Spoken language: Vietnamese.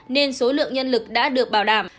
nên số lượng nhân lực đã được bảo đảm